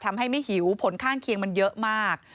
ทำให้ไม่หิวผลข้างเคียงมันเยอะมาก